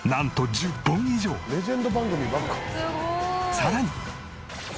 さらに。